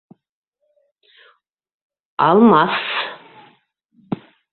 Алмаҫ.